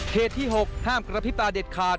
ที่๖ห้ามกระพริบตาเด็ดขาด